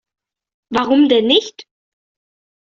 Warum denn nicht?